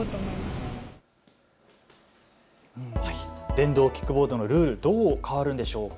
電動キックボードのルール、どう変わるんでしょうか。